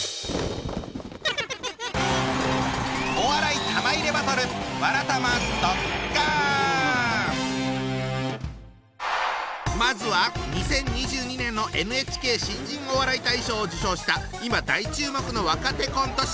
お笑い玉入れバトルまずは２０２２年の「ＮＨＫ新人お笑い大賞」を受賞した今大注目の若手コント師！